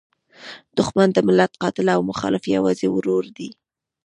دوښمن د ملت قاتل او مخالف یوازې ورور دی.